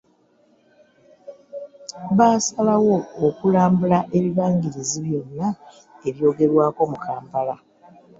Baasalawo okulambula ebibangirizi byonna ebyogerwako mu Kampala.